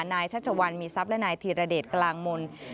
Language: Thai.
ชัชวัลมีทรัพย์และนายธีรเดชกลางมนต์